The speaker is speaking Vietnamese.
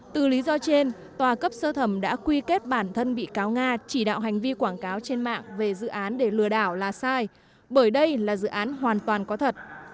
từ lý do trên tòa cấp sơ thẩm đã quy kết bản thân bị cáo nga chỉ đạo hành vi quảng cáo trên mạng về dự án để lừa đảo là sai bởi đây là dự án hoàn toàn có thật